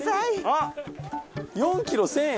４キロ１，０００円！